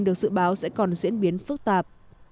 được dự báo sẽ còn diễn biến phức tạp